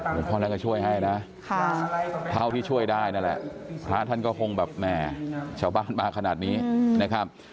หลวงพ่อนั้นก็ช่วยให้นะเท่าที่ช่วยได้นั่นแหละพระท่านก็คงแบบแหมชาวบ้านมาขนาดนี้นะครับ